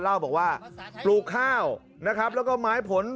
เล่าบอกว่าปลูกข้าวแล้วก็ไม้ผล